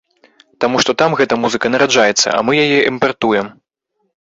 Таму што там гэта музыка нараджаецца, а мы яе імпартуем.